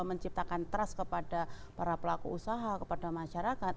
menciptakan trust kepada para pelaku usaha kepada masyarakat